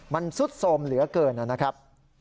มันซุดโทรมเหลือเกินนะครับ